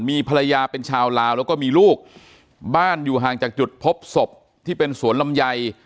มีภรรยาเป็นชาวลาวแล้วก็มีลูกบ้านอยู่ห่างจากจุดพบศพที่เป็นสวนลำไย